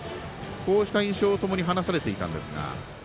こうした印象をともに話していたんですが。